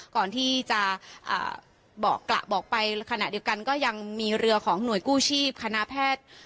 ก่อนที่จะบอกไปขณะเดียวกันก็ยังมีเรือของหน่วยกู้ชีพคณะแพทย์